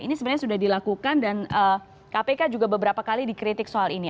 ini sebenarnya sudah dilakukan dan kpk juga beberapa kali dikritik soal ini